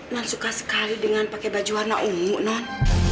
nuan suka sekali dengan pakai baju warna ungu non